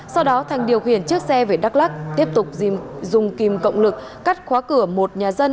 sau đó thành điều khiển chiếc xe về đắk lắc tiếp tục dùng kìm cộng lực cắt khóa cửa một nhà dân